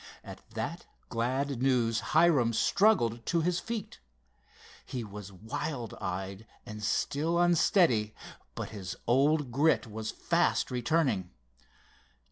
At that glad news Hiram struggled to his feet. He was wild eyed and still unsteady, but his old grit was fast returning.